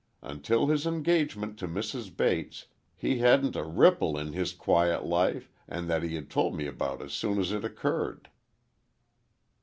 Until his engagement to Mrs. Bates, he hadn't a ripple in his quiet life, and that he told me about as soon as it occurred."